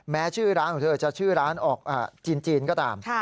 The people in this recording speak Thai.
ชื่อร้านของเธอจะชื่อร้านออกจีนก็ตาม